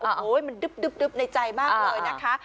โอ้โหมันดึ๊บในใจมากเลยนะคะ